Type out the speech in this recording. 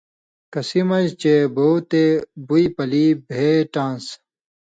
کسی مژ چے بو تے بُوئ پلی بھېٹان٘س۔